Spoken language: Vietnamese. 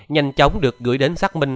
nhanh chóng được gửi đến xác minh